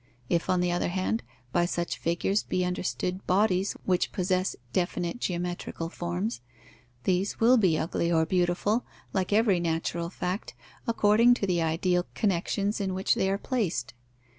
If, on the other hand, by such figures be understood bodies which possess definite geometrical forms, these will be ugly or beautiful, like every natural fact, according to the ideal connexions in which they are placed.